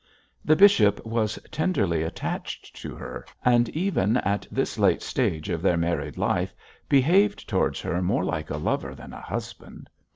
The bishop was tenderly attached to her, and even at this late stage of their married life behaved towards her more like a lover than a husband.